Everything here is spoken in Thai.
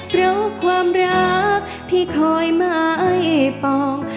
เพราะความรักที่คอยไม้ปอง